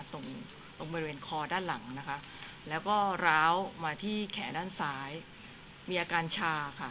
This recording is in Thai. ตรงตรงบริเวณคอด้านหลังนะคะแล้วก็ร้าวมาที่แขนด้านซ้ายมีอาการชาค่ะ